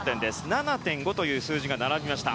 ７．５という数字が並びました。